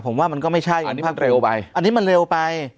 ผมว่ามันก็ไม่ใช่มันพักเร็วไปอันนี้มันเร็วไป